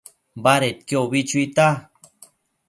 Badedquio ubi chuita